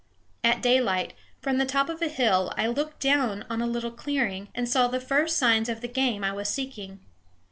At daylight, from the top of a hill, I looked down on a little clearing and saw the first signs of the game I was seeking.